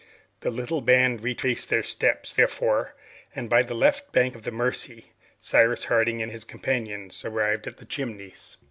The little band retraced their steps, therefore, and by the left bank of the Mercy, Cyrus Harding and his companions arrived at the Chimneys.